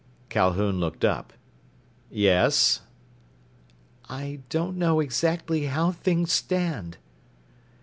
Calhoun looked up. "Yes?" "I don't know exactly how things stand."